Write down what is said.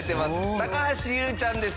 高橋ユウちゃんです。